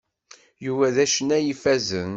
Yuba d acennay ifazen.